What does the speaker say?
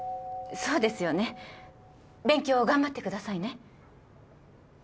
そうですよね勉強頑張ってくださいね